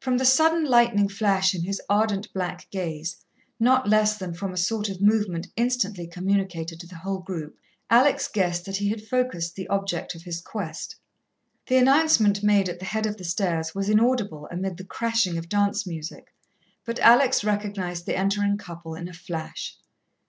From the sudden lightning flash in his ardent black gaze, not less than from a sort of movement instantly communicated to the whole group, Alex guessed that he had focussed the object of his quest. The announcement made at the head of the stairs was inaudible amid the crashing of dance music, but Alex recognized the entering couple in a flash.